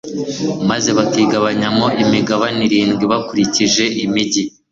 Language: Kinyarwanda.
maze bakigabanyamo imigabane irindwi bakurikije imigi